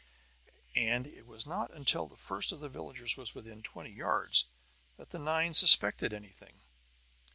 And it was not until the first of the villagers was within twenty yards that the nine suspected anything.